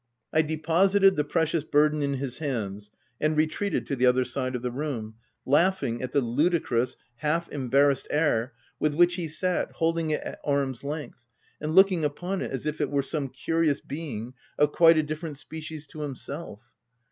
I deposited the precious burden in his hands, and retreated to the other side of the room, laughing at the ludicrous, half embarrassed air with which he sat, holding it at arms length, and looking upon it as if it were some curious be ing of quite a different species to himself.